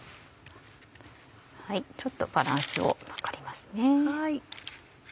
ちょっとバランスをはかりますね。